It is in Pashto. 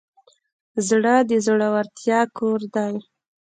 زړه د زړورتیا کور دی.